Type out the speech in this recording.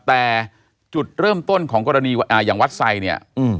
แต่จุดเริ่มต้นของกรณีอย่างวัดไซดเนี่ย